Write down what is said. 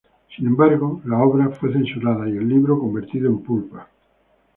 Sin embargo, la obra fue censurada y el libro, convertido en pulpa.